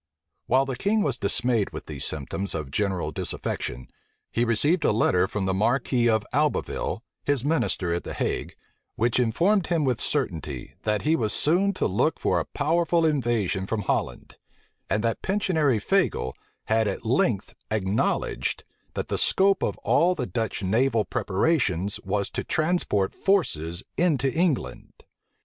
While the king was dismayed with these symptoms of general disaffection, he received a letter from the marquis of Albeville, his minister at the Hague, which informed him with certainty, that he was soon to look for a powerful invasion from Holland; and that Pensionary Fagel had at length acknowledged, that the scope of all the Dutch naval preparations was to transport forces into England.